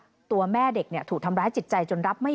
ตัวแม่เด็กถูกทำร้ายจิตใจจนรับไม่